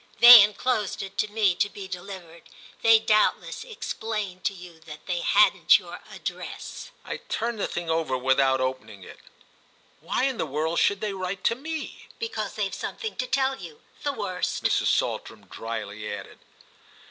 "They enclosed it to me, to be delivered. They doubtless explain to you that they hadn't your address." I turned the thing over without opening it. "Why in the world should they write to me?" "Because they've something to tell you. The worst," Mrs. Saltram dryly added.